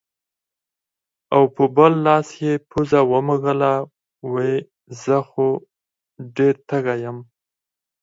او پۀ بل لاس يې پوزه ومږله وې زۀ خو ډېر تږے يم